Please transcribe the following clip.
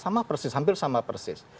sama persis hampir sama persis